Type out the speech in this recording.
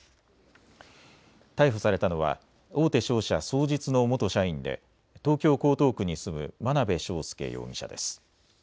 逮捕されたのは大手商社、双日の元社員で東京江東区に住む眞鍋昌奨容疑者です。